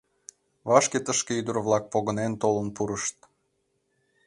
Вашке тышке ӱдыр-влак погынен толын пурышт.